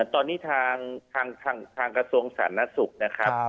ตอนนี้ทางกระทรวงสาธารณสุขนะครับ